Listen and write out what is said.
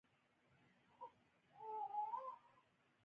ما د مرستې غږ وکړ او هغوی راغلل